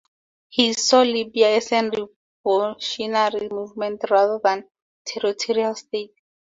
He saw Libya as a revolutionary movement rather than a territorial state.